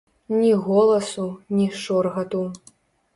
Ні голасу, ні шоргату.